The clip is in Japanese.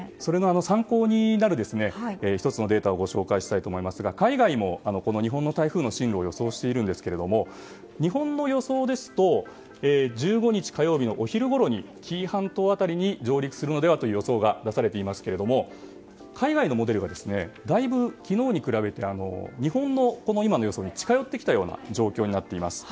参考になる１つのデータをご紹介したいと思いますが海外も、この日本の台風の進路を予想しているんですが日本の予想ですと１５日火曜日のお昼ごろに紀伊半島辺りに上陸するのではという予想が出されていますけれども海外のモデルはだいぶ昨日に比べて日本の今の予想に近寄ってきています。